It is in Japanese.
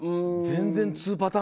全然。